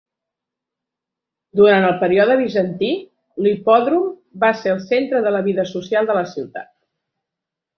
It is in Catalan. Durant el període bizantí, l'Hipòdrom va ser el centre de la vida social de la ciutat.